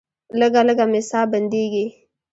لږه لږه مې ساه بندیږي.